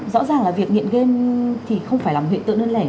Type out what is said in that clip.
rõ ràng là việc nghiện game thì không phải là một hiện tượng đơn lẻ